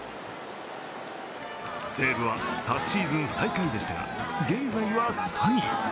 西武は昨シーズン最下位でしたが現在は３位。